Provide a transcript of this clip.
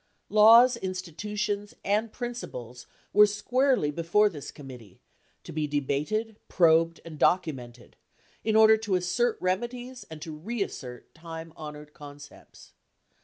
Laws, institutions, and principles were squarely before this com mittee, to be debated, probed and documented, in order to assert remedies and reassert time honored concepts.